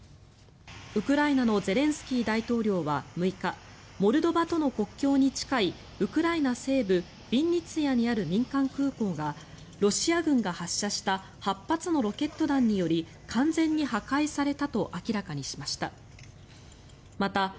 ウクライナのゼレンスキー大統領は６日モルドバとの国境に近いウクライナ西部ビンニツィアにある民間空港がロシア軍が発射した８発のロケット弾により完全に破壊されたと明らかにしました。